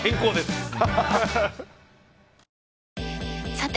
さて！